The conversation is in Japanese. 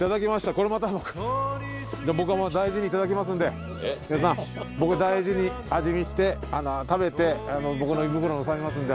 これまた僕が大事にいただきますんで飯尾さん僕大事に味見して食べて僕の胃袋におさめますので。